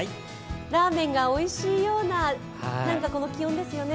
ラーメンがおいしいような気温ですよね。